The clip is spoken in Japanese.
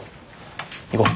行こう。